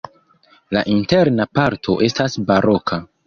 La interna parto estas baroka.